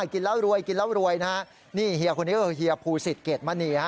กินแล้วรวยนะฮะนี่เฮียคนนี้ก็คือเฮียภูศิษฐ์เกร็ดมณีอ่ะ